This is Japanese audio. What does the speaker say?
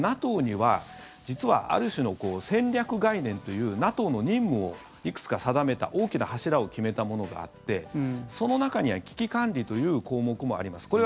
ＮＡＴＯには実はある種の戦略概念というＮＡＴＯの任務をいくつか定めた大きな柱を決めたものがあってその中には危機管理という項目もあります。